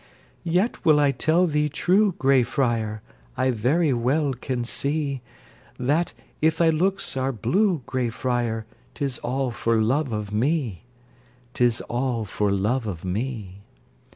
Yet will I tell thee true, grey friar, I very well can see, That, if thy looks are blue, grey friar, 'Tis all for love of me, 'Tis all for love of me.